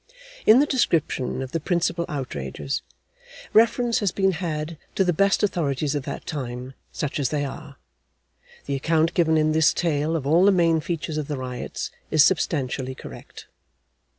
In the description of the principal outrages, reference has been had to the best authorities of that time, such as they are; the account given in this Tale, of all the main features of the Riots, is substantially correct.